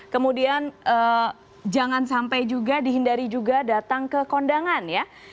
kemudian jangan sampai juga dihindari juga datang ke kondangan ya